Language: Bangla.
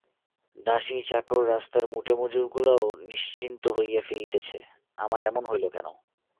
দাসী চাকর রাস্তার মুটেমজুরগুলাও নিশ্চিন্ত হইয়া ফিরিতেছে, আমার এমন হইল কেন।